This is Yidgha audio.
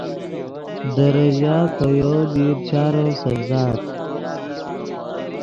دے ریژہ پے یَوۡ دیر چارو سڤزاد